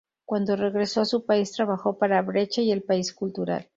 Cuando regresó a su país trabajó para Brecha y El País Cultural.